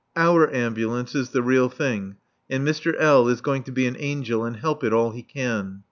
Our ambulance is the real thing, and Mr. L. is going to be an angel and help it all he can.